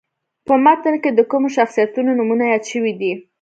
په متن کې د کومو شخصیتونو نومونه یاد شوي دي.